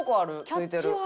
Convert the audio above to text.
付いてる。